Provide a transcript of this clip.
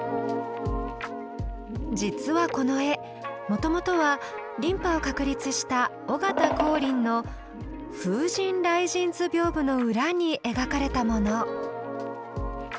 実はこの絵もともとは琳派を確立した尾形光琳の「風神雷神図屏風」の裏に描かれたもの。